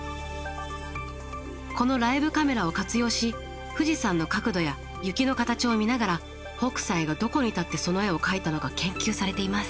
このライブカメラを活用し富士山の角度や雪の形を見ながら北斎がどこに立ってその絵を描いたのか研究されています。